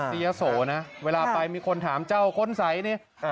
ยะโสนะเวลาไปมีคนถามเจ้าค้นใสนี่